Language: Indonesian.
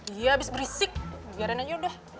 iya abis berisik biarin aja udah